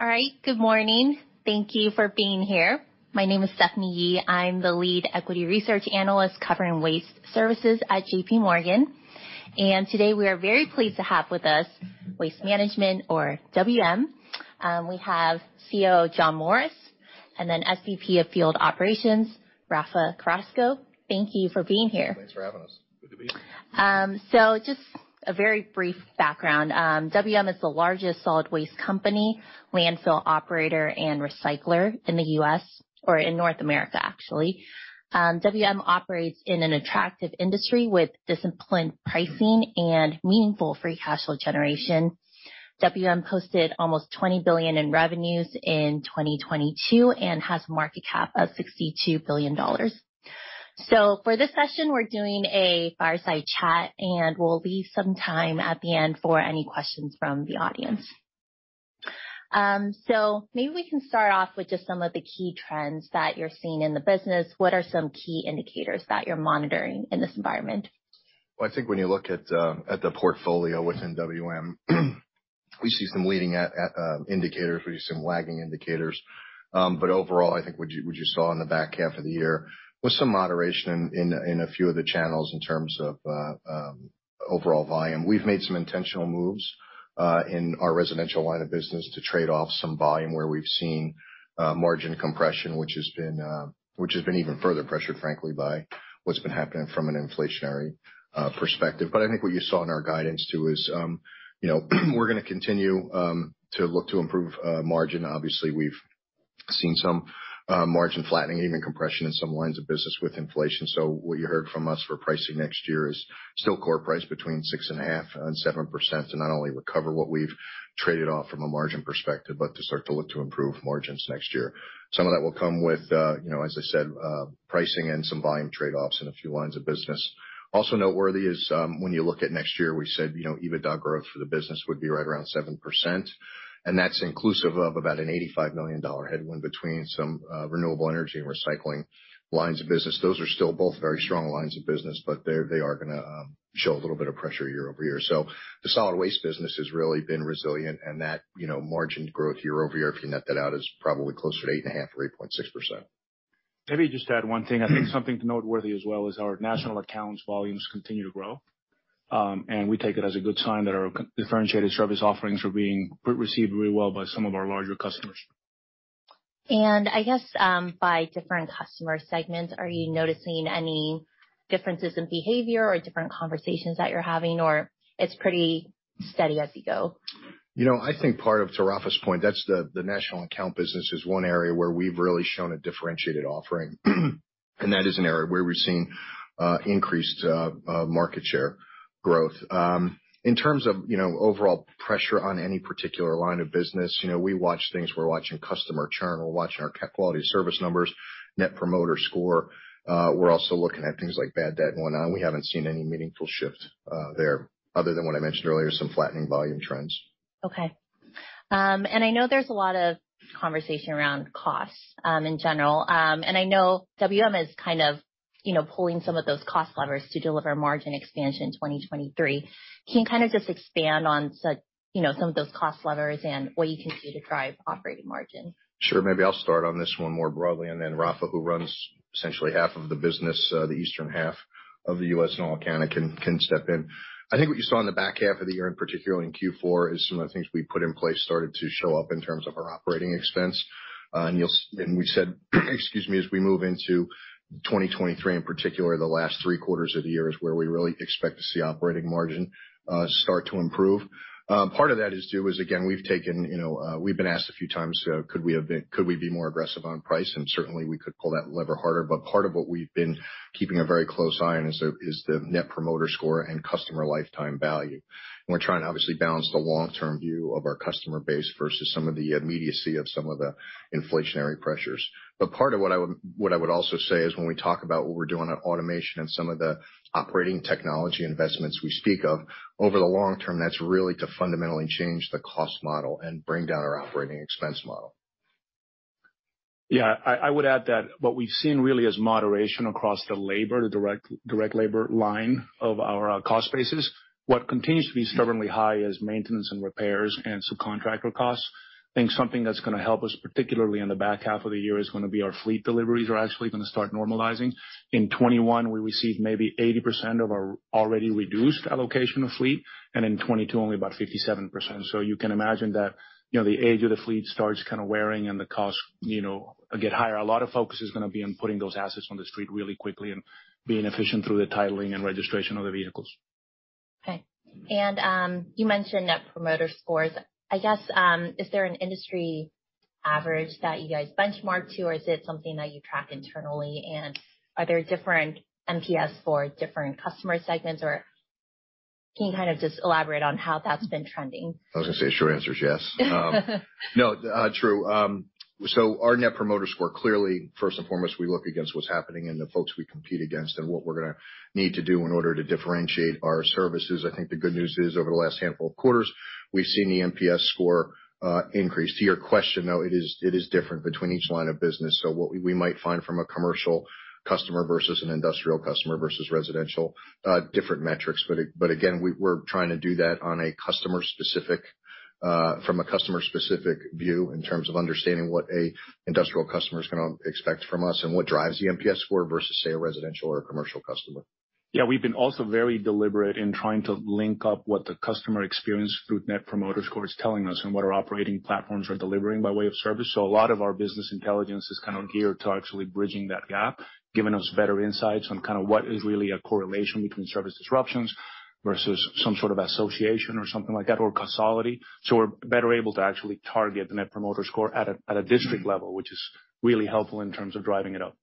All right. Good morning. Thank you for being here. My name is Stephanie Yee. I'm the lead equity research analyst covering waste services at JPMorgan. Today, we are very pleased to have with us Waste Management or WM. We have COO John Morris, and then SVP of Field Operations, Rafa Carrasco. Thank you for being here. Thanks for having us. Good to be here. Just a very brief background. WM is the largest solid waste company, landfill operator, and recycler in the U.S. or in North America, actually. WM operates in an attractive industry with disciplined pricing and meaningful free cash flow generation. WM posted almost $20 billion in revenues in 2022 and has a market cap of $62 billion. For this session, we're doing a fireside chat, and we'll leave some time at the end for any questions from the audience. Maybe we can start off with just some of the key trends that you're seeing in the business. What are some key indicators that you're monitoring in this environment? Well, I think when you look at the portfolio within WM, we see some leading indicators. We see some lagging indicators. Overall, I think what you just saw in the back half of the year was some moderation in a few of the channels in terms of overall volume. We've made some intentional moves in our residential line of business to trade off some volume where we've seen margin compression, which has been even further pressured, frankly, by what's been happening from an inflationary perspective. I think what you saw in our guidance too is, you know, we're gonna continue to look to improve margin. Obviously, we've seen some margin flattening, even compression in some lines of business with inflation. What you heard from us for pricing next year is still core price between 6.5%-7%, to not only recover what we've traded off from a margin perspective, but to start to look to improve margins next year. Some of that will come with, you know, as I said, pricing and some volume trade-offs in a few lines of business. Also noteworthy is, when you look at next year, we said, you know, EBITDA growth for the business would be right around 7%, and that's inclusive of about an $85 million headwind between some renewable energy and recycling lines of business. Those are still both very strong lines of business, but they are gonna show a little bit of pressure year-over-year. The solid waste business has really been resilient and that, you know, margin growth year-over-year, if you net that out, is probably closer to 8.5 or 8.6%. Maybe just add one thing. I think something noteworthy as well is our national accounts volumes continue to grow. We take it as a good sign that our differentiated service offerings are being received really well by some of our larger customers. I guess, by different customer segments, are you noticing any differences in behavior or different conversations that you're having, or it's pretty steady as you go? You know, I think part of, to Rafa's point, that's the national account business is one area where we've really shown a differentiated offering. That is an area where we've seen increased market share growth. In terms of, you know, overall pressure on any particular line of business, you know, we watch things. We're watching customer churn. We're watching our quality of service numbers, Net Promoter Score. We're also looking at things like bad debt and what not. We haven't seen any meaningful shift there other than what I mentioned earlier, some flattening volume trends. Okay. I know there's a lot of conversation around costs in general. I know WM is kind of, you know, pulling some of those cost levers to deliver margin expansion in 2023. Can you kinda just expand on, you know, some of those cost levers and what you can do to drive operating margin? Sure. Maybe I'll start on this one more broadly, and then Rafa, who runs essentially half of the business, the eastern half of the U.S. and all Canada can step in. I think what you saw in the back half of the year, and particularly in Q4, is some of the things we put in place started to show up in terms of our operating expense. And we said, excuse me, as we move into 2023, in particular, the last 3 quarters of the year is where we really expect to see operating margin start to improve. Part of that is due, again, we've taken, you know, we've been asked a few times, could we be more aggressive on price? Certainly, we could pull that lever harder, but part of what we've been keeping a very close eye on is the Net Promoter Score and customer lifetime value. We're trying to obviously balance the long-term view of our customer base versus some of the immediacy of some of the inflationary pressures. Part of what I would also say is when we talk about what we're doing on automation and some of the operating technology investments we speak of, over the long term, that's really to fundamentally change the cost model and bring down our operating expense model. I would add that what we've seen really is moderation across the labor, the direct labor line of our cost bases. What continues to be stubbornly high is maintenance and repairs and subcontractor costs. I think something that's gonna help us, particularly in the back half of the year, is gonna be our fleet deliveries are actually gonna start normalizing. In 2021, we received maybe 80% of our already reduced allocation of fleet, and in 2022, only about 57%. You can imagine that, you know, the age of the fleet starts kinda wearing and the costs, you know, get higher. A lot of focus is gonna be on putting those assets on the street really quickly and being efficient through the titling and registration of the vehicles. Okay. You mentioned Net Promoter Scores. I guess, is there an industry average that you guys benchmark to, or is it something that you track internally? Are there different NPS for different customer segments, or can you kind of just elaborate on how that's been trending? I was gonna say short answer is yes. No, true. Our Net Promoter Score, clearly, first and foremost, we look against what's happening and the folks we compete against and what we're gonna need to do in order to differentiate our services. I think the good news is, over the last handful of quarters, we've seen the NPS score increase. To your question, though, it is, it is different between each line of business. What we might find from a commercial customer versus an industrial customer versus residential, different metrics. Again, we're trying to do that on a customer-specific, from a customer-specific view in terms of understanding what a industrial customer is gonna expect from us and what drives the NPS score versus, say, a residential or a commercial customer. Yeah, we've been also very deliberate in trying to link up what the customer experience through Net Promoter Score is telling us and what our operating platforms are delivering by way of service. A lot of our business intelligence is kind of geared to actually bridging that gap, giving us better insights on kind of what is really a correlation between service disruptions versus some sort of association or something like that, or causality. We're better able to actually target the Net Promoter Score at a district level, which is really helpful in terms of driving it up.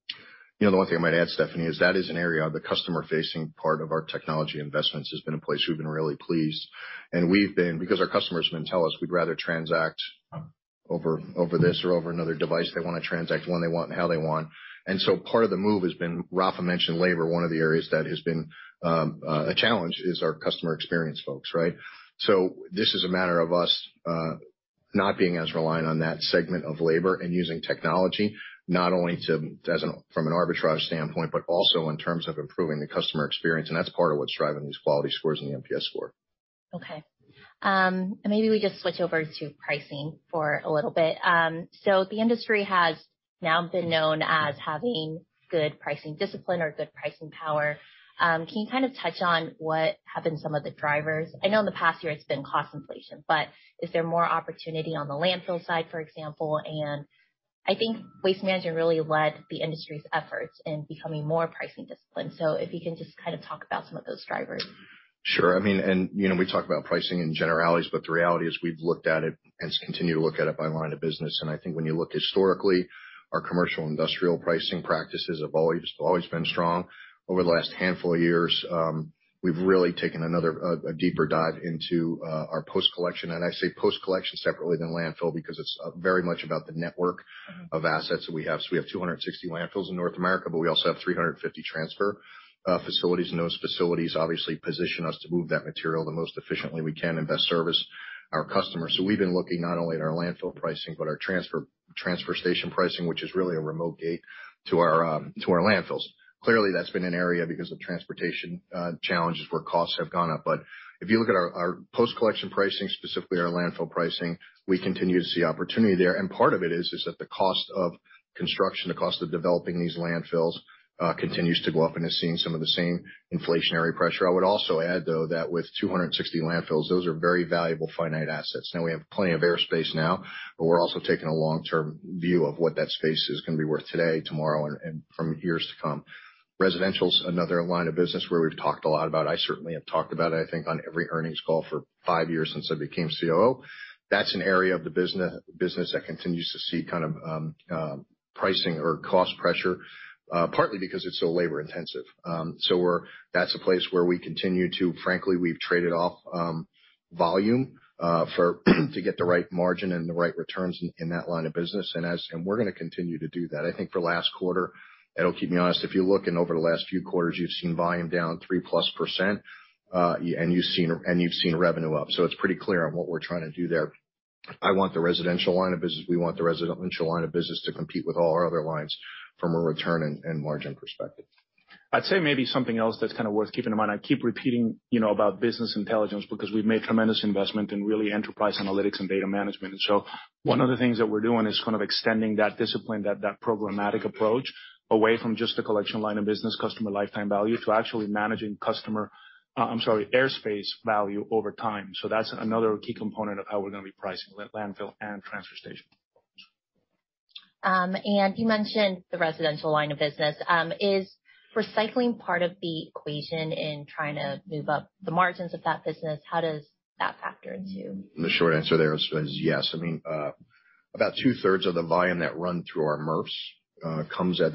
You know, the one thing I might add, Stephanie, is that is an area of the customer-facing part of our technology investments has been a place we've been really pleased. We've been because our customers can tell us we'd rather transact over this or over another device. They wanna transact when they want and how they want. Part of the move has been, Rafa mentioned labor, one of the areas that has been a challenge is our customer experience folks, right? This is a matter of us not being as reliant on that segment of labor and using technology not only from an arbitrage standpoint, but also in terms of improving the customer experience. That's part of what's driving these quality scores and the NPS score. Okay. Maybe we just switch over to pricing for a little bit. The industry has now been known as having good pricing discipline or good pricing power. Can you kind of touch on what have been some of the drivers? I know in the past year it's been cost inflation, but is there more opportunity on the landfill side, for example? I think Waste Management really led the industry's efforts in becoming more pricing disciplined. If you can just kind of talk about some of those drivers. Sure. I mean, you know, we talk about pricing in generalities, but the reality is we've looked at it and continue to look at it by line of business. I think when you look historically, our commercial industrial pricing practices have always been strong. Over the last handful of years, we've really taken another, a deeper dive into our post-collection. I say post-collection separately than landfill because it's very much about the network of assets that we have. We have 260 landfills in North America, but we also have 350 transfer facilities. Those facilities obviously position us to move that material the most efficiently we can and best service our customers. We've been looking not only at our landfill pricing, but our transfer station pricing, which is really a remote gate to our landfills. Clearly, that's been an area because of transportation challenges where costs have gone up. If you look at our post-collection pricing, specifically our landfill pricing, we continue to see opportunity there. Part of it is that the cost of construction, the cost of developing these landfills, continues to go up and is seeing some of the same inflationary pressure. I would also add, though, that with 260 landfills, those are very valuable finite assets. Now, we have plenty of airspace now, but we're also taking a long-term view of what that space is gonna be worth today, tomorrow, and from years to come. Residential is another line of business where we've talked a lot about. I certainly have talked about it, I think, on every earnings call for 5 years since I became COO. That's an area of the business that continues to see kind of pricing or cost pressure, partly because it's so labor-intensive. That's a place where we continue to frankly, we've traded off volume for to get the right margin and the right returns in that line of business. We're gonna continue to do that. I think for last quarter, it'll keep me honest, if you look and over the last few quarters, you've seen volume down 3+% and you've seen revenue up. It's pretty clear on what we're trying to do there. I want the residential line of business, we want the residential line of business to compete with all our other lines from a return and margin perspective. I'd say maybe something else that's kind of worth keeping in mind. I keep repeating, you know, about business intelligence because we've made tremendous investment in really enterprise analytics and data management. One of the things that we're doing is kind of extending that discipline, that programmatic approach away from just the collection line of business, customer lifetime value, to actually managing customer, I'm sorry, airspace value over time. That's another key component of how we're gonna be pricing landfill and transfer station. You mentioned the residential line of business. Is recycling part of the equation in trying to move up the margins of that business? How does that factor into? The short answer there is yes. I mean, about two-thirds of the volume that run through our MRFs, the single-stream MRFs, comes out of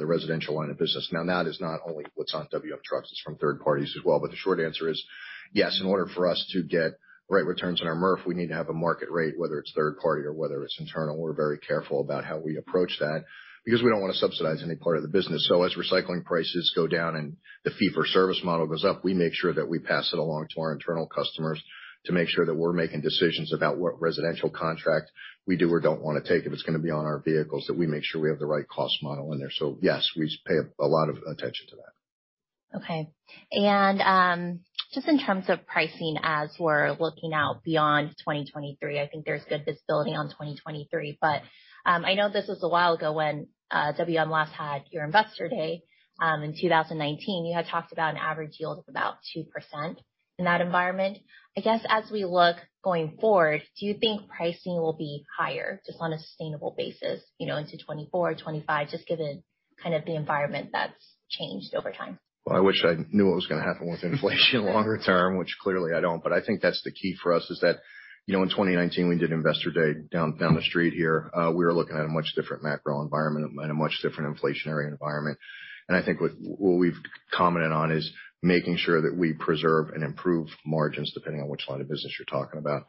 the residential line of business. That is not only what's on WM trucks, it's from third parties as well. The short answer is yes. In order for us to get right returns on our MRF, we need to have a market rate, whether it's third party or whether it's internal. We're very careful about how we approach that because we don't wanna subsidize any part of the business. As recycling prices go down and the fee-for-service model goes up, we make sure that we pass it along to our internal customers to make sure that we're making decisions about what residential contract we do or don't wanna take. If it's gonna be on our vehicles, that we make sure we have the right cost model in there. Yes, we just pay a lot of attention to that. Okay. Just in terms of pricing, as we're looking out beyond 2023, I think there's good visibility on 2023, but I know this was a while ago when WM last had your Investor Day in 2019, you had talked about an average yield of about 2% in that environment. I guess, as we look going forward, do you think pricing will be higher just on a sustainable basis, you know, into 2024, 2025, just given kind of the environment that's changed over time? I wish I knew what was gonna happen with inflation longer term, which clearly I don't. I think that's the key for us is that, you know, in 2019, we did Investor Day down the street here. We were looking at a much different macro environment and a much different inflationary environment. I think what we've commented on is making sure that we preserve and improve margins, depending on which line of business you're talking about,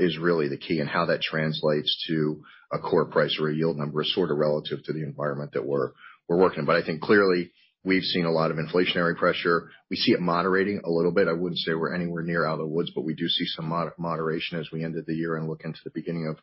is really the key. How that translates to a core price or a yield number is sort of relative to the environment that we're working in. I think clearly we've seen a lot of inflationary pressure. We see it moderating a little bit. I wouldn't say we're anywhere near out of the woods, but we do see some moderation as we end the year and look into the beginning of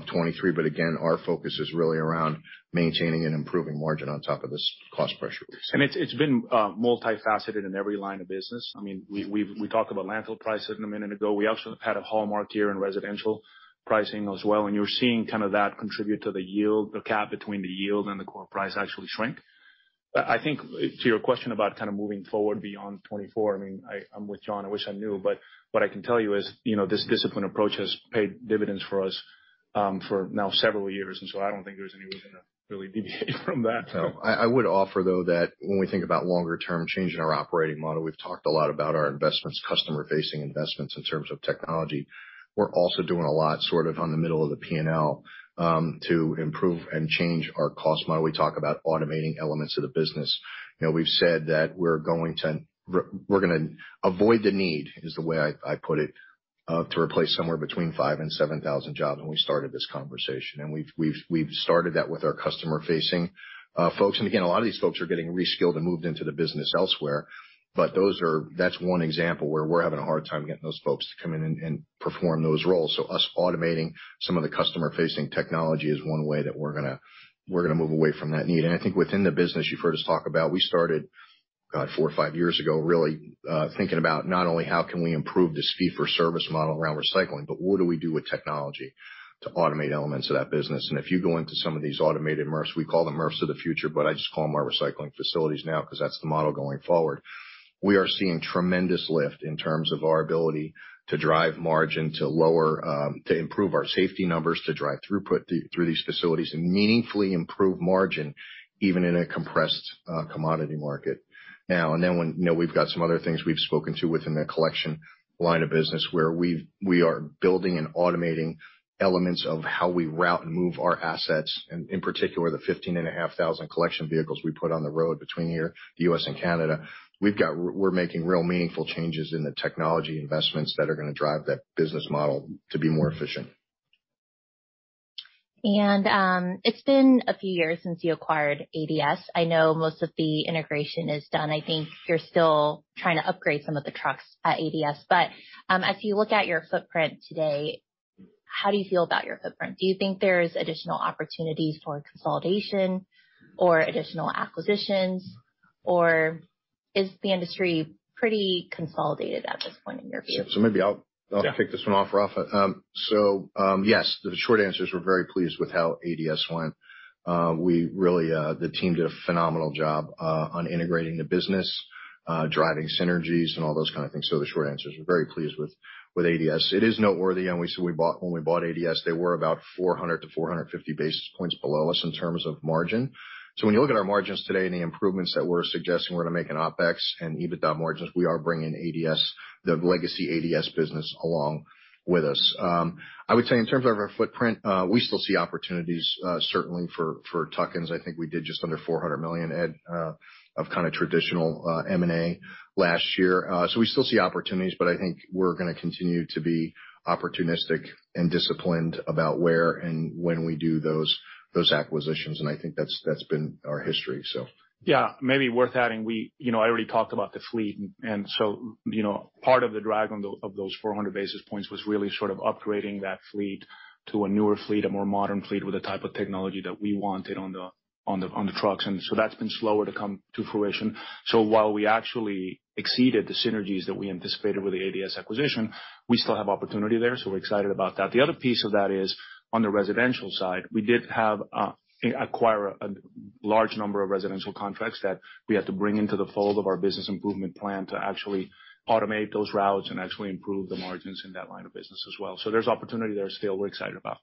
2023. Again, our focus is really around maintaining and improving margin on top of this cost pressure we're seeing. It's been multifaceted in every line of business. I mean, we talked about landfill pricing a minute ago. We also have had a hallmark year in residential pricing as well, and you're seeing kind of that contribute to the yield, the gap between the yield and the core price actually shrink. I think to your question about kind of moving forward beyond 2024, I mean, I'm with John, I wish I knew, but what I can tell you is, you know, this disciplined approach has paid dividends for us, for now several years. So I don't think there's any reason to really deviate from that. I would offer though that when we think about longer term change in our operating model, we've talked a lot about our investments, customer-facing investments in terms of technology. We're also doing a lot sort of on the middle of the P&L to improve and change our cost model. We talk about automating elements of the business. You know, we've said that we're going to avoid the need, is the way I put it, to replace somewhere between 5,000 and 7,000 jobs when we started this conversation. We've started that with our customer-facing folks. Again, a lot of these folks are getting reskilled and moved into the business elsewhere. That's one example where we're having a hard time getting those folks to come in and perform those roles. Us automating some of the customer-facing technology is one way that we're gonna move away from that need. I think within the business, you've heard us talk about, we started, God, four or five years ago, really thinking about not only how can we improve this fee-for-service model around recycling, but what do we do with technology to automate elements of that business. If you go into some of these automated MRFs, we call them MRFs of the future, but I just call them our recycling facilities now because that's the model going forward. We are seeing tremendous lift in terms of our ability to drive margin to lower, to improve our safety numbers, to drive throughput through these facilities and meaningfully improve margin, even in a compressed commodity market. Now, when, you know, we've got some other things we've spoken to within the collection line of business where we are building and automating elements of how we route and move our assets, and in particular, the 15,500 collection vehicles we put on the road between here, the U.S. and Canada. We're making real meaningful changes in the technology investments that are gonna drive that business model to be more efficient. It's been a few years since you acquired ADS. I know most of the integration is done. I think you're still trying to upgrade some of the trucks at ADS. As you look at your footprint today, how do you feel about your footprint? Do you think there is additional opportunities for consolidation or additional acquisitions, or is the industry pretty consolidated at this point in your view? maybe I'll- Yeah. Kick this one off, Rafa. Yes, the short answer is we're very pleased with how ADS went. We really, the team did a phenomenal job on integrating the business, driving synergies and all those kind of things. The short answer is we're very pleased with ADS. It is noteworthy, and we said when we bought ADS, they were about 400-450 basis points below us in terms of margin. When you look at our margins today and the improvements that we're suggesting we're gonna make in OpEx and EBITDA margins, we are bringing ADS, the legacy ADS business, along with us. I would say in terms of our footprint, we still see opportunities, certainly for tuck-ins. I think we did just under $400 million, Ed, of kind of traditional, M&A last year. We still see opportunities, but I think we're gonna continue to be opportunistic and disciplined about where and when we do those acquisitions. I think that's been our history, so. Yeah, maybe worth adding, we, you know, I already talked about the fleet, you know, part of the drag of those 400 basis points was really sort of upgrading that fleet to a newer fleet, a more modern fleet with the type of technology that we wanted on the trucks. That's been slower to come to fruition. While we actually exceeded the synergies that we anticipated with the ADS acquisition, we still have opportunity there, so we're excited about that. The other piece of that is on the residential side, we did have acquire a large number of residential contracts that we had to bring into the fold of our business improvement plan to actually automate those routes and actually improve the margins in that line of business as well. There's opportunity there still we're excited about.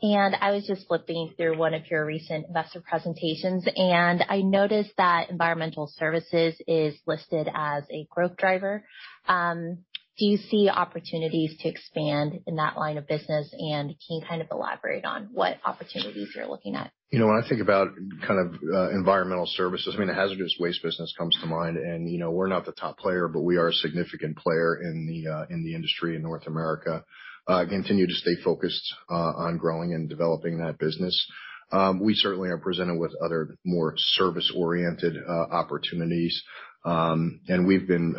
I was just flipping through one of your recent investor presentations, and I noticed that environmental services is listed as a growth driver. Do you see opportunities to expand in that line of business, and can you kind of elaborate on what opportunities you're looking at? You know, when I think about kind of environmental services, I mean, the hazardous waste business comes to mind. You know, we're not the top player, but we are a significant player in the industry in North America. Continue to stay focused on growing and developing that business. We certainly are presented with other more service-oriented opportunities. We've been,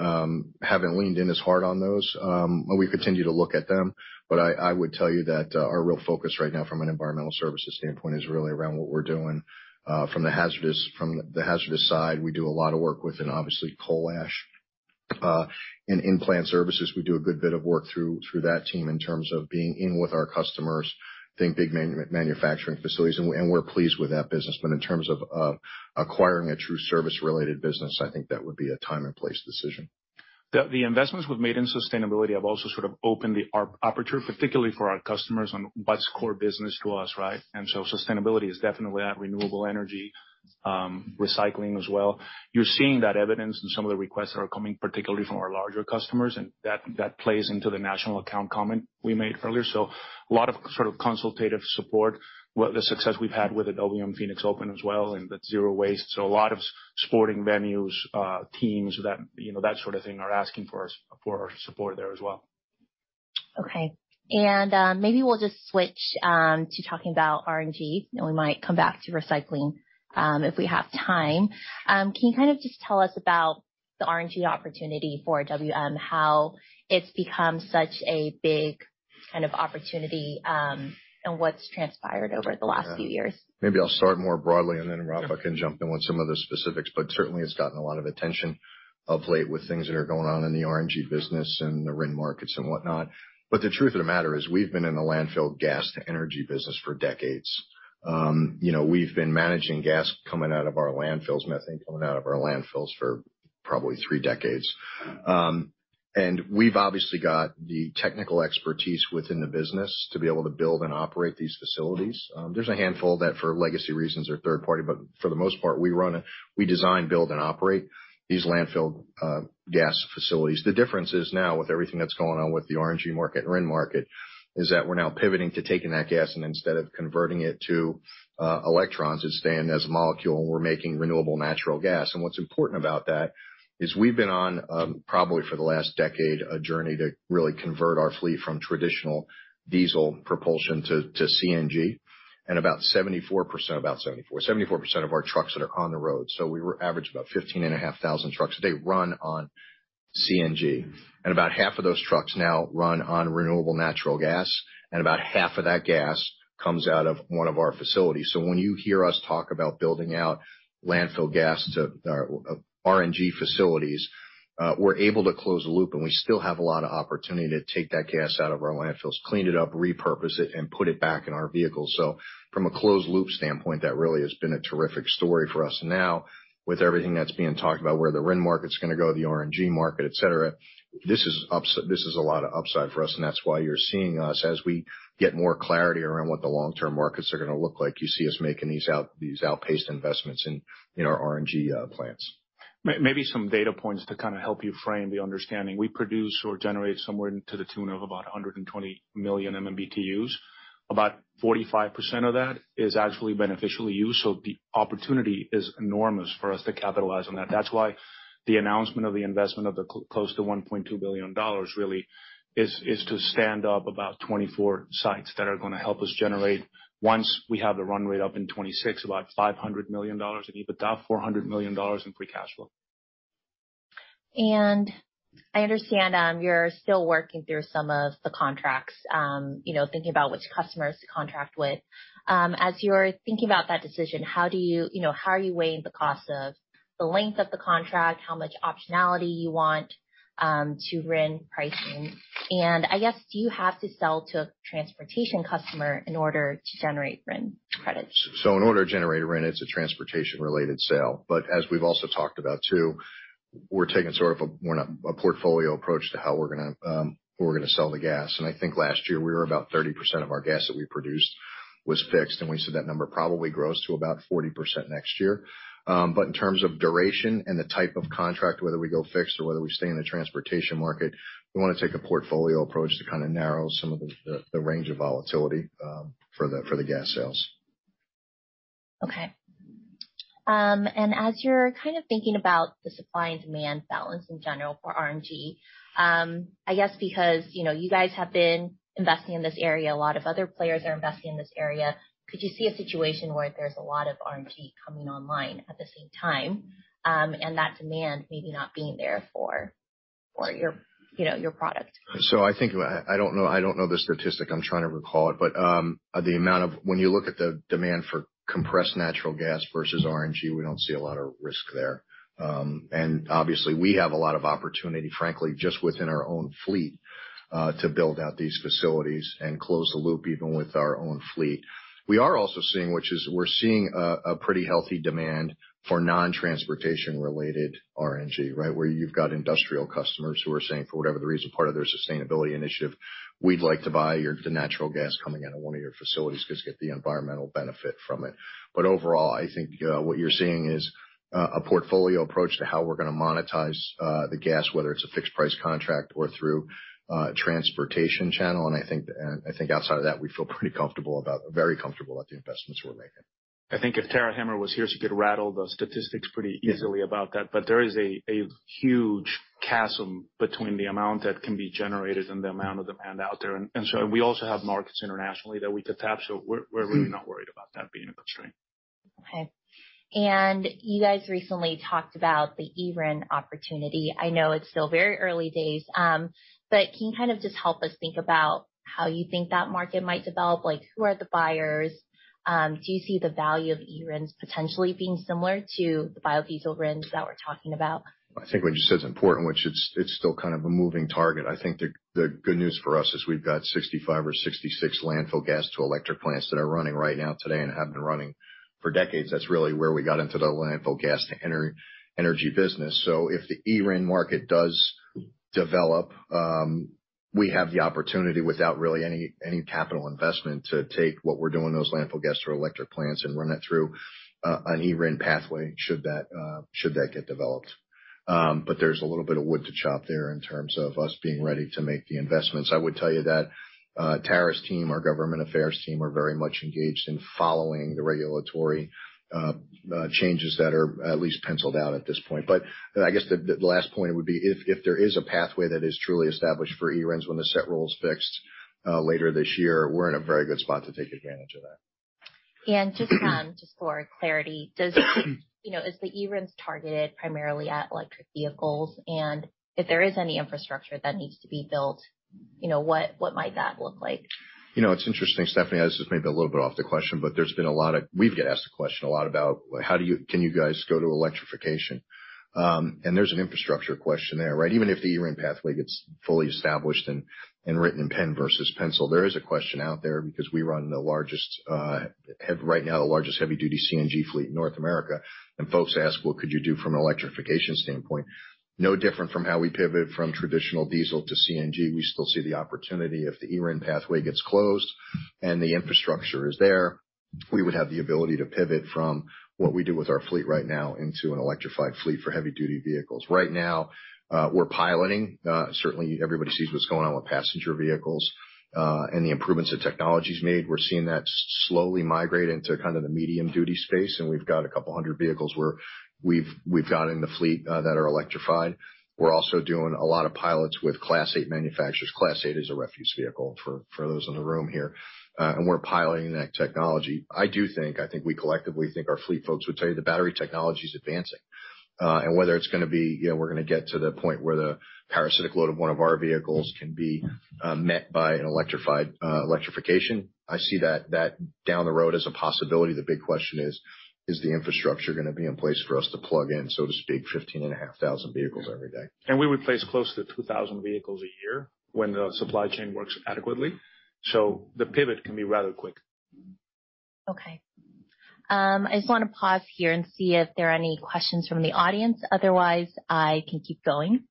haven't leaned in as hard on those, but we continue to look at them. I would tell you that our real focus right now from an environmental services standpoint is really around what we're doing from the hazardous side. We do a lot of work with and obviously coal ash. In plant services, we do a good bit of work through that team in terms of being in with our customers, think big manufacturing facilities, and we're pleased with that business. In terms of acquiring a true service-related business, I think that would be a time and place decision. The investments we've made in sustainability have also sort of opened the opportunity, particularly for our customers on what's core business to us, right? Sustainability is definitely that renewable energy, recycling as well. You're seeing that evidence in some of the requests that are coming, particularly from our larger customers, and that plays into the national account comment we made earlier. A lot of sort of consultative support. The success we've had with the WM Phoenix Open as well and the zero waste. A lot of sporting venues, teams that, you know, that sort of thing are asking for us, for our support there as well. Okay. maybe we'll just switch to talking about RNG. We might come back to recycling if we have time. Can you kind of just tell us about the RNG opportunity for WM, how it's become such a big kind of opportunity, and what's transpired over the last few years? Maybe I'll start more broadly. Then Rafa can jump in with some of the specifics. Certainly, it's gotten a lot of attention of late with things that are going on in the RNG business and the RIN markets and whatnot. The truth of the matter is, we've been in the landfill gas to energy business for decades. You know, we've been managing gas coming out of our landfills, methane coming out of our landfills for probably three decades. We've obviously got the technical expertise within the business to be able to build and operate these facilities. There's a handful that, for legacy reasons, are third party, but for the most part, we design, build, and operate these landfill gas facilities. The difference is now, with everything that's going on with the RNG market, RIN market, is that we're now pivoting to taking that gas and instead of converting it to electrons and staying as a molecule, we're making renewable natural gas. What's important about that is we've been on probably for the last decade, a journey to really convert our fleet from traditional diesel propulsion to CNG. About 74% of our trucks that are on the road, so we were average about 15,500 trucks a day run on CNG. About half of those trucks now run on renewable natural gas, and about half of that gas comes out of one of our facilities. When you hear us talk about building out landfill gas to our RNG facilities, we're able to close the loop, and we still have a lot of opportunity to take that gas out of our landfills, clean it up, repurpose it, and put it back in our vehicles. From a closed loop standpoint, that really has been a terrific story for us. With everything that's being talked about, where the RIN market's gonna go, the RNG market, et cetera, this is a lot of upside for us, and that's why you're seeing us. As we get more clarity around what the long-term markets are gonna look like, you see us making these out, these outpaced investments in our RNG plants. Maybe some data points to kinda help you frame the understanding. We produce or generate somewhere to the tune of about 120 million MMBtus. About 45% of that is actually beneficial use. The opportunity is enormous for us to capitalize on that. That's why the announcement of the investment of the close to $1.2 billion really is to stand up about 24 sites that are gonna help us generate, once we have the run rate up in 2026, about $500 million in EBITDA, $400 million in free cash flow. I understand, you're still working through some of the contracts, you know, thinking about which customers to contract with. As you're thinking about that decision, how do you know, how are you weighing the cost of the length of the contract, how much optionality you want, to RIN pricing? I guess, do you have to sell to a transportation customer in order to generate RIN credits? In order to generate a RIN, it's a transportation-related sale. As we've also talked about too, we're taking sort of a portfolio approach to how we're gonna sell the gas. I think last year, we were about 30% of our gas that we produced was fixed, and we said that number probably grows to about 40% next year. In terms of duration and the type of contract, whether we go fixed or whether we stay in the transportation market, we wanna take a portfolio approach to kinda narrow some of the range of volatility for the gas sales. Okay. As you're kind of thinking about the supply and demand balance in general for RNG, I guess because, you know, you guys have been investing in this area, a lot of other players are investing in this area, could you see a situation where there's a lot of RNG coming online at the same time, and that demand maybe not being there for your, you know, your product? I think, I don't know the statistic. I'm trying to recall it, When you look at the demand for compressed natural gas versus RNG, we don't see a lot of risk there. Obviously, we have a lot of opportunity, frankly, just within our own fleet, to build out these facilities and close the loop even with our own fleet. We are also seeing a pretty healthy demand for non-transportation related RNG, right? Where you've got industrial customers who are saying, for whatever the reason, part of their sustainability initiative, "We'd like to buy your, the natural gas coming out of one of your facilities 'cause you get the environmental benefit from it." Overall, I think, what you're seeing is a portfolio approach to how we're gonna monetize, the gas, whether it's a fixed price contract or through a transportation channel. I think outside of that, we feel pretty comfortable about. Very comfortable about the investments we're making. I think if Tara Hemmer was here, she could rattle the statistics pretty easily about that. There is a huge chasm between the amount that can be generated and the amount of demand out there. We also have markets internationally that we could tap. We're really not worried about that being a constraint. Okay. You guys recently talked about the eRIN opportunity. I know it's still very early days, but can you kind of just help us think about how you think that market might develop? Like, who are the buyers? Do you see the value of eRINs potentially being similar to the biodiesel RINs that we're talking about? I think what you said is important, which it's still kind of a moving target. I think the good news for us is we've got 65 or 66 landfill gas to electric plants that are running right now today and have been running for decades. That's really where we got into the landfill gas to energy business. If the eRIN market does develop, we have the opportunity without really any capital investment to take what we're doing in those landfill gas to electric plants and run it through an eRIN pathway should that get developed. There's a little bit of wood to chop there in terms of us being ready to make the investments. I would tell you that Tara's team, our government affairs team, are very much engaged in following the regulatory changes that are at least penciled out at this point. I guess the last point would be if there is a pathway that is truly established for eRINs when the Set Rule is fixed later this year, we're in a very good spot to take advantage of that. Just, just for clarity, does, you know, is the eRINs targeted primarily at electric vehicles? If there is any infrastructure that needs to be built, you know, what might that look like? You know, it's interesting, Stephanie. This is maybe a little bit off the question. We get asked the question a lot about can you guys go to electrification? There's an infrastructure question there, right? Even if the eRIN pathway gets fully established and written in pen versus pencil, there is a question out there because we run the largest, have right now the largest heavy-duty CNG fleet in North America. Folks ask, "What could you do from an electrification standpoint?" No different from how we pivot from traditional diesel to CNG. We still see the opportunity if the eRIN pathway gets closed and the infrastructure is there. We would have the ability to pivot from what we do with our fleet right now into an electrified fleet for heavy-duty vehicles. Right now, we're piloting. Certainly everybody sees what's going on with passenger vehicles and the improvements that technology's made. We're seeing that slowly migrate into kind of the medium duty space, and we've got a couple hundred vehicles where we've got in the fleet that are electrified. We're also doing a lot of pilots with Class 8 manufacturers. Class 8 is a refuse vehicle for those in the room here. We're piloting that technology. I do think we collectively think our fleet folks would tell you the battery technology is advancing. Whether it's gonna be, you know, we're gonna get to the point where the parasitic load of one of our vehicles can be met by an electrified electrification. I see that down the road as a possibility. The big question is the infrastructure gonna be in place for us to plug in, so to speak, 15,500 vehicles every day? We replace close to 2,000 vehicles a year when the supply chain works adequately, so the pivot can be rather quick. Okay. I just wanna pause here and see if there are any questions from the audience. Otherwise, I can keep going.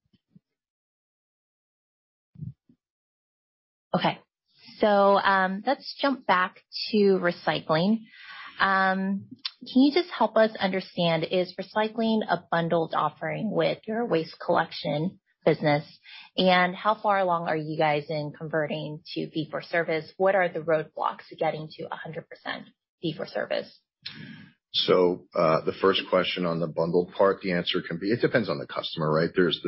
Okay. Let's jump back to recycling. Can you just help us understand, is recycling a bundled offering with your waste collection business? How far along are you guys in converting to fee-for-service? What are the roadblocks getting to 100% fee-for-service? The first question on the bundled part, the answer can be, it depends on the customer, right? There's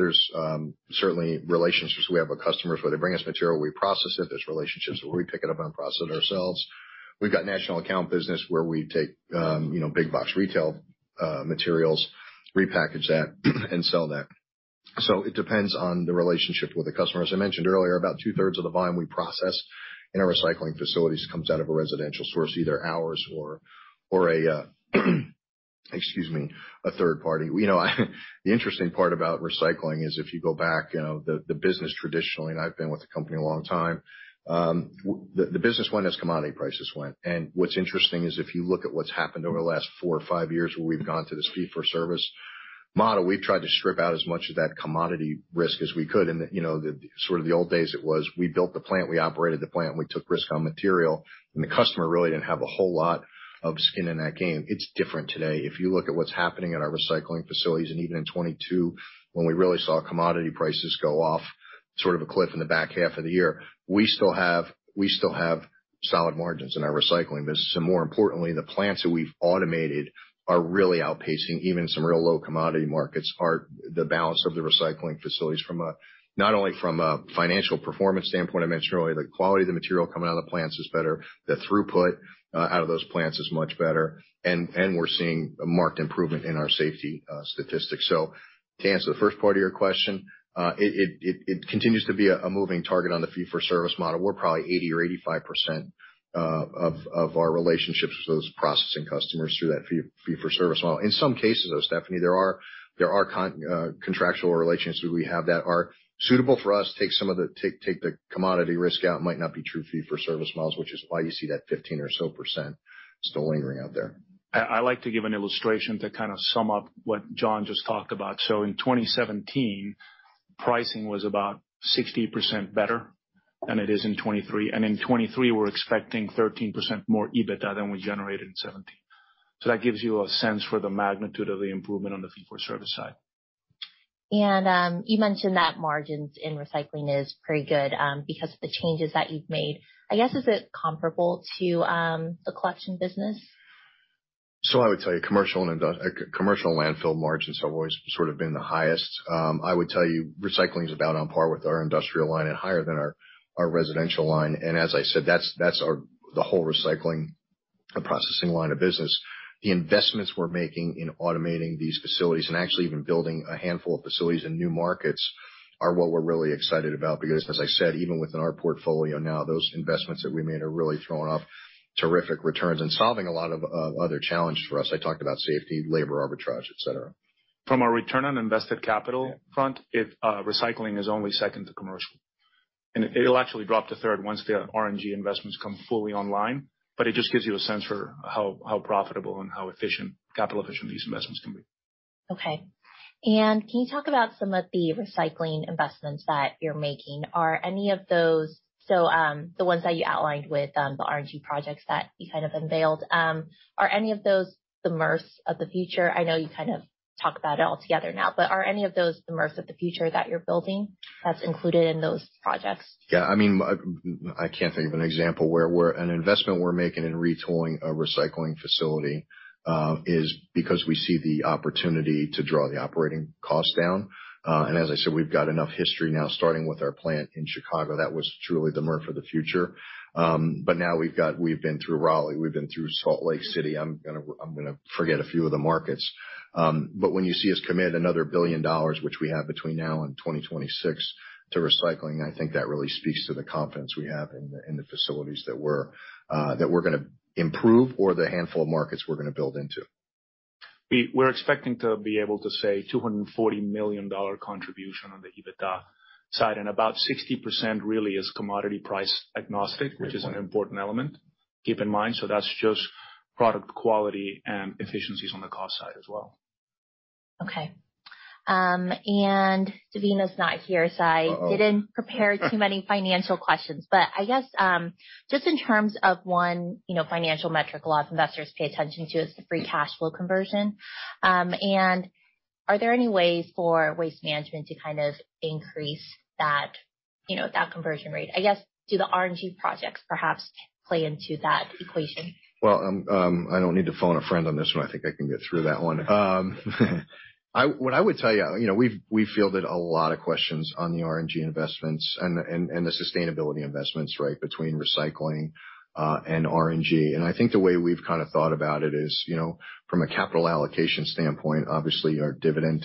certainly relationships. We have our customers, where they bring us material, we process it. There's relationships where we pick it up and process it ourselves. We've got national account business where we take, you know, big box retail materials, repackage that and sell that. It depends on the relationship with the customer. As I mentioned earlier, about two-thirds of the volume we process in our recycling facilities comes out of a residential source, either ours or a third party. You know, the interesting part about recycling is if you go back, you know, the business traditionally, and I've been with the company a long time, the business went as commodity prices went. What's interesting is, if you look at what's happened over the last four or five years, where we've gone to this fee-for-service model, we've tried to strip out as much of that commodity risk as we could. You know, the sort of the old days it was, we built the plant, we operated the plant, and we took risk on material, and the customer really didn't have a whole lot of skin in that game. It's different today. If you look at what's happening in our recycling facilities, and even in 22 when we really saw commodity prices go off sort of a cliff in the back half of the year, we still have solid margins in our recycling business. More importantly, the plants that we've automated are really outpacing even some real low commodity markets are the balance of the recycling facilities. Not only from a financial performance standpoint, I mentioned earlier, the quality of the material coming out of the plants is better, the throughput out of those plants is much better, and we're seeing a marked improvement in our safety statistics. To answer the first part of your question, it continues to be a moving target on the fee-for-service model. We're probably 80% or 85% of our relationships with those processing customers through that fee-for-service model. In some cases, though, Stephanie, there are contractual relationships we have that are suitable for us. Take the commodity risk out. Might not be true fee-for-service models, which is why you see that 15% or so still lingering out there. I like to give an illustration to kind of sum up what John just talked about. In 2017, pricing was about 60% better than it is in 2023. In 2023, we're expecting 13% more EBITDA than we generated in 2017. That gives you a sense for the magnitude of the improvement on the fee-for-service side. You mentioned that margins in recycling is pretty good, because of the changes that you've made. I guess, is it comparable to the collection business? I would tell you, commercial landfill margins have always sort of been the highest. I would tell you, recycling is about on par with our industrial line and higher than our residential line. As I said, that's our... the whole recycling processing line of business. The investments we're making in automating these facilities and actually even building a handful of facilities in new markets are what we're really excited about. As I said, even within our portfolio now, those investments that we made are really throwing off terrific returns and solving a lot of other challenges for us. I talked about safety, labor arbitrage, et cetera. From a return on invested capital front, it, recycling is only second to commercial. It'll actually drop to third once the RNG investments come fully online. It just gives you a sense for how profitable and how efficient, capital efficient these investments can be. Okay. Can you talk about some of the recycling investments that you're making? The ones that you outlined with, the RNG projects that you kind of unveiled, are any of those the MRFs of the future? I know you kind of talk about it all together now, are any of those the MRFs of the future that you're building that's included in those projects? Yeah, I mean, I can't think of an example where we're. An investment we're making in retooling a recycling facility is because we see the opportunity to draw the operating costs down. As I said, we've got enough history now, starting with our plant in Chicago. That was truly the MRF of the future. Now we've been through Raleigh, we've been through Salt Lake City. I'm gonna forget a few of the markets. When you see us commit another $1 billion, which we have between now and 2026, to recycling, I think that really speaks to the confidence we have in the, in the facilities that we're that we're gonna improve or the handful of markets we're gonna build into. We're expecting to be able to say $240 million contribution on the EBITDA side, about 60% really is commodity price agnostic, which is an important element. Keep in mind, that's just product quality and efficiencies on the cost side as well. Okay. Devina's not here. Uh-oh. -didn't prepare too many financial questions. I guess, just in terms of one, you know, financial metric a lot of investors pay attention to is the free cash flow conversion. Are there any ways for Waste Management to kind of increase that, you know, that conversion rate? I guess, do the RNG projects perhaps play into that equation? I don't need to phone a friend on this one. I think I can get through that one. What I would tell you know, we've fielded a lot of questions on the RNG investments and, and the sustainability investments, right, between recycling and RNG. I think the way we've kinda thought about it is, you know, from a capital allocation standpoint, obviously our dividend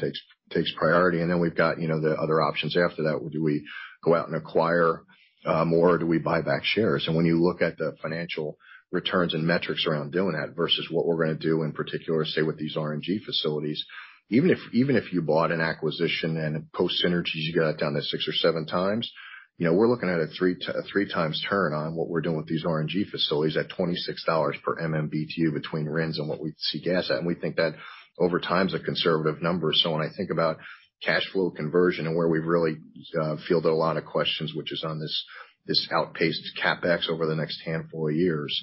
takes priority. Then we've got, you know, the other options after that. Do we go out and acquire or do we buy back shares? When you look at the financial returns and metrics around doing that versus what we're gonna do, in particular, say with these RNG facilities, even if, even if you bought an acquisition and post synergies, you got down to 6 or 7 times. You know, we're looking at a 3 times turn on what we're doing with these RNG facilities at $26 per MMBtu between RINs and what we see gas at. We think that over time is a conservative number. When I think about cash flow conversion and where we've really fielded a lot of questions, which is on this outpaced CapEx over the next handful of years,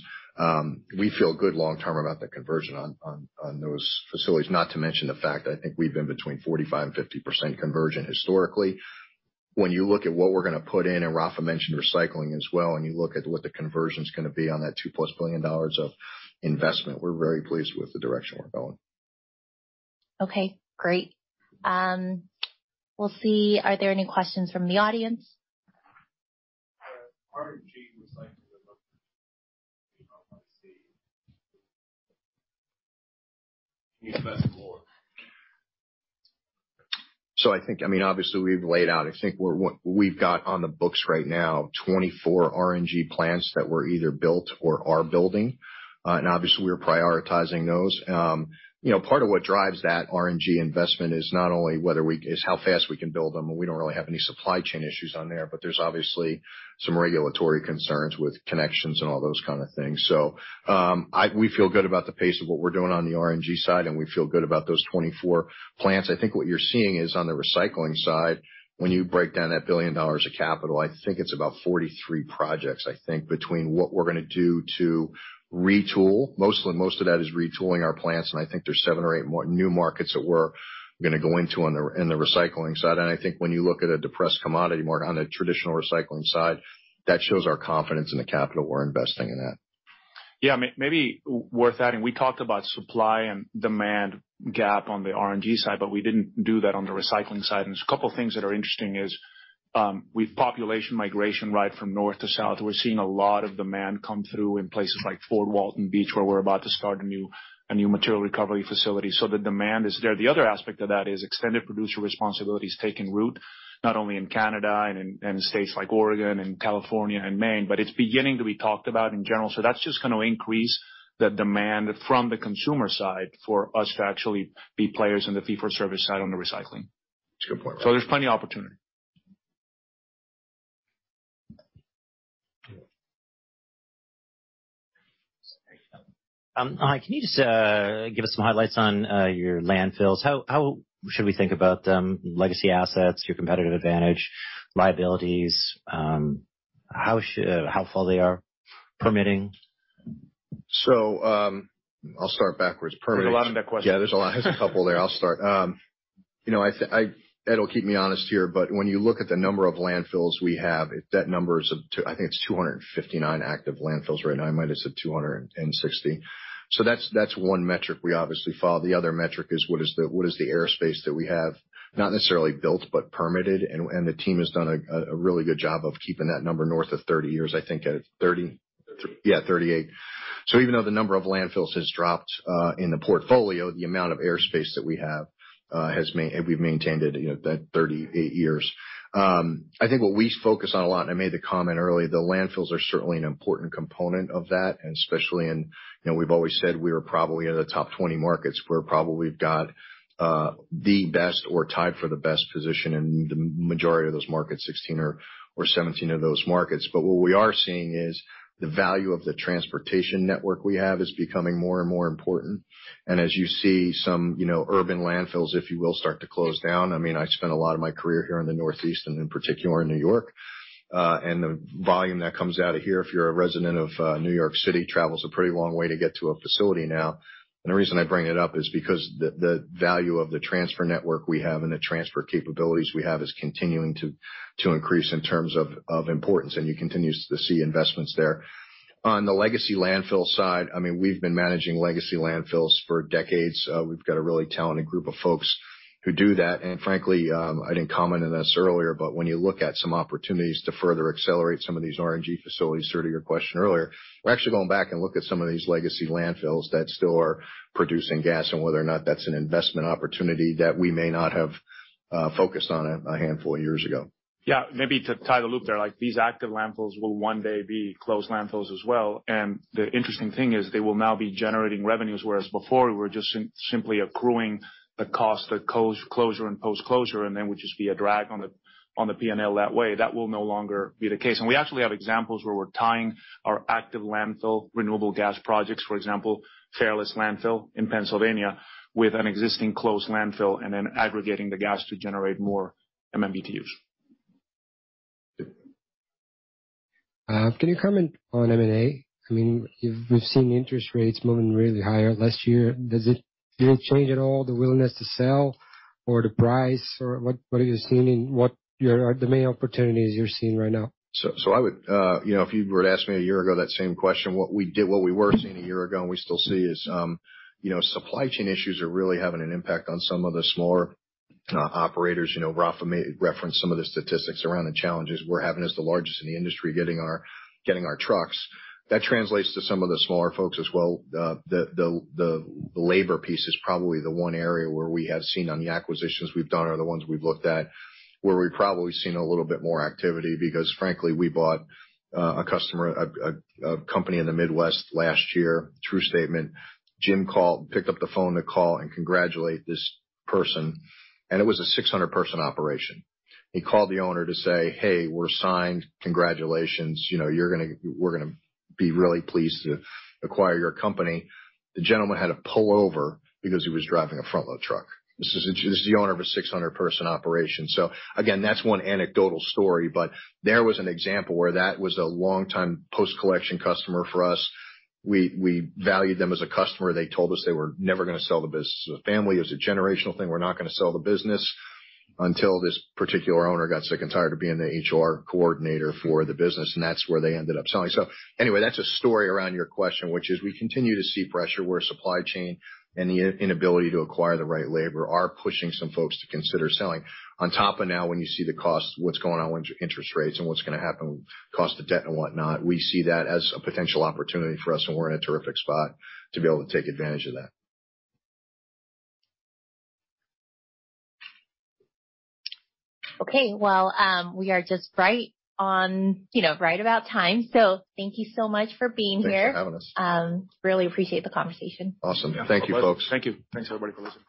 we feel good long term about the conversion on those facilities. Not to mention the fact I think we've been between 45% and 50% conversion historically. When you look at what we're gonna put in, and Rafa mentioned recycling as well, and you look at what the conversion is gonna be on that $2+ billion of investment, we're very pleased with the direction we're going. Okay, great. We'll see. Are there any questions from the audience? RNG recycling can you invest more? I mean, obviously we've laid out. I think what we've got on the books right now, 24 RNG plants that were either built or are building. Obviously we're prioritizing those. You know, part of what drives that RNG investment is not only whether it's how fast we can build them, and we don't really have any supply chain issues on there, but there's obviously some regulatory concerns with connections and all those kind of things. We feel good about the pace of what we're doing on the RNG side, and we feel good about those 24 plants. I think what you're seeing is on the recycling side, when you break down that $1 billion of capital, I think it's about 43 projects, I think, between what we're gonna do to retool. Mostly, most of that is retooling our plants. I think there's seven or eight more new markets that we're gonna go into in the recycling side. I think when you look at a depressed commodity market on a traditional recycling side, that shows our confidence in the capital we're investing in that. Yeah. Maybe worth adding, we talked about supply and demand gap on the RNG side, but we didn't do that on the recycling side. There's a couple things that are interesting is, with population migration, right from north to south, we're seeing a lot of demand come through in places like Fort Walton Beach, where we're about to start a new material recovery facility. The demand is there. The other aspect of that is Extended Producer Responsibility is taking root not only in Canada and in states like Oregon and California and Maine, but it's beginning to be talked about in general. That's just gonna increase the demand from the consumer side for us to actually be players in the fee-for-service side on the recycling. That's a good point. There's plenty opportunity. Okay. Hi, can you just give us some highlights on your landfills? How should we think about them, legacy assets, your competitive advantage, liabilities, how full they are? Permitting. I'll start backwards. Permitting. There's a lot in that question. There's a lot. There's a couple there. I'll start. you know, it'll keep me honest here, but when you look at the number of landfills we have, that number is up to, I think it's 259 active landfills right now, minus the 260. That's, that's one metric we obviously follow. The other metric is what is the, what is the airspace that we have? Not necessarily built, but permitted. The team has done a really good job of keeping that number north of 30 years, I think at thirty... Thirty-eight. Yeah, 38. Even though the number of landfills has dropped in the portfolio, the amount of airspace that we have has maintained it, you know, that 38 years. I think what we focus on a lot, and I made the comment earlier, the landfills are certainly an important component of that, and especially in, you know, we've always said we are probably in the top 20 markets. We're probably got the best or tied for the best position in the majority of those markets, 16 or 17 of those markets. What we are seeing is the value of the transportation network we have is becoming more and more important. As you see some, you know, urban landfills, if you will, start to close down. I mean, I spent a lot of my career here in the Northeast and in particular in New York. The volume that comes out of here, if you're a resident of New York City, travels a pretty long way to get to a facility now. The reason I bring it up is because the value of the transfer network we have and the transfer capabilities we have is continuing to increase in terms of importance, and you continue to see investments there. On the legacy landfill side, I mean, we've been managing legacy landfills for decades. We've got a really talented group of folks who do that. Frankly, I didn't comment on this earlier, but when you look at some opportunities to further accelerate some of these RNG facilities, sort of your question earlier, we're actually going back and look at some of these legacy landfills that still are producing gas and whether or not that's an investment opportunity that we may not have focused on a handful of years ago. Yeah. Maybe to tie the loop there, like these active landfills will one day be closed landfills as well. The interesting thing is they will now be generating revenues, whereas before we were just simply accruing the cost of closure and post-closure, and then would just be a drag on the, on the P&L that way. That will no longer be the case. We actually have examples where we're tying our active landfill renewable gas projects, for example, Fairless Landfill in Pennsylvania, with an existing closed landfill and then aggregating the gas to generate more MMBtus. Can you comment on M&A? I mean, we've seen interest rates moving really higher last year. Do you change at all the willingness to sell or the price? What are you seeing and what are the main opportunities you're seeing right now? I would, you know, if you were to ask me a year ago that same question, what we were seeing a year ago, and we still see is, you know, supply chain issues are really having an impact on some of the smaller operators. You know, Rafa referenced some of the statistics around the challenges we're having as the largest in the industry, getting our trucks. That translates to some of the smaller folks as well. The labor piece is probably the one area where we have seen on the acquisitions we've done or the ones we've looked at, where we've probably seen a little bit more activity because frankly, we bought a customer, a company in the Midwest last year. True statement. Jim called, picked up the phone to call and congratulate this person, and it was a 600 person operation. He called the owner to say, "Hey, we're signed. Congratulations. You know, you're gonna-- we're gonna be really pleased to acquire your company." The gentleman had to pull over because he was driving a front load truck. This is the owner of a 600 person operation. Again, that's one anecdotal story, but there was an example where that was a long time post-collection customer for us. We valued them as a customer. They told us they were never gonna sell the business. As a family, it was a generational thing. We're not gonna sell the business. Until this particular owner got sick and tired of being the HR coordinator for the business, and that's where they ended up selling. Anyway, that's a story around your question, which is we continue to see pressure where supply chain and the inability to acquire the right labor are pushing some folks to consider selling. On top of now, when you see the cost, what's going on with interest rates and what's going to happen with cost of debt and whatnot, we see that as a potential opportunity for us, and we're in a terrific spot to be able to take advantage of that. Okay. Well, we are just right on, you know, right about time. Thank you so much for being here. Thank you for having us. Really appreciate the conversation. Awesome. Thank you, folks. Thank you. Thanks, everybody, for listening.